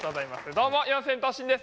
どうも四千頭身です。